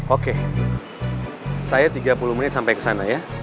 oke saya tiga puluh menit sampai ke sana ya